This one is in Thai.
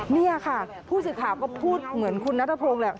นี่ค่ะผู้สื่อข่าวก็พูดเหมือนคุณนัทพงศ์แหละ